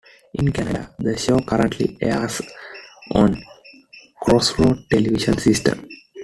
In Canada, the show currently airs on Crossroads Television System.